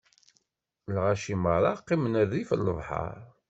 Lɣaci meṛṛa qqimen rrif n lebḥeṛ.